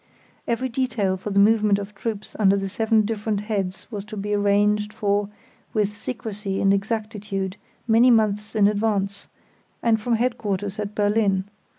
Every detail for the movement of troops under the seven different heads was to be arranged for with secrecy and exactitude many months in advance, and from headquarters at Berlin.